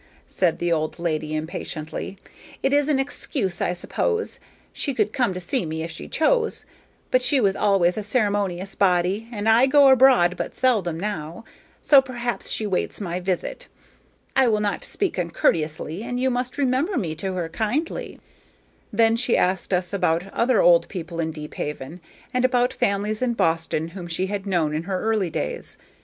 said the old lady, impatiently. "It is an excuse, I suppose. She could come to see me if she chose, but she was always a ceremonious body, and I go abroad but seldom now; so perhaps she waits my visit. I will not speak uncourteously, and you must remember me to her kindly." Then she asked us about other old people in Deephaven, and about families in Boston whom she had known in her early days.